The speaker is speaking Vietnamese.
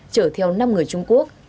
chở theo năm người trung quốc